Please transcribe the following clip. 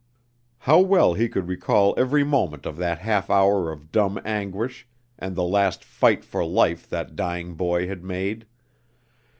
How well he could recall every moment of that half hour of dumb anguish and the last fight for life that dying boy had made!